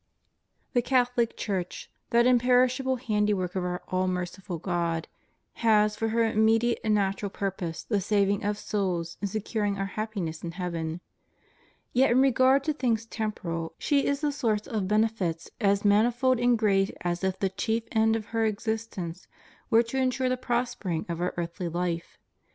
The Catholic Church, that imperishable handiwork of our all merciful God, has for her immediate and natural purpose the saving of souls and securing our happiness in heaven. Yet in regard to things temporal she is the source of benefits as manifold and great as if the chief end of her existence were to ensure the prospering of our earthly life.